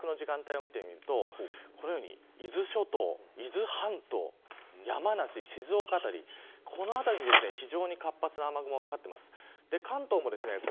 そしてあしたの朝、通勤通学の時間帯を見てみるとこのように伊豆諸島、伊豆半島山梨、静岡辺りこの辺りに非常な活発な雨雲がかかっています。